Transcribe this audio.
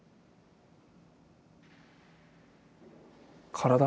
体？